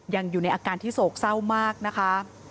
ยังอยู่ในอาการที่โศกเศร้ามากนะคะ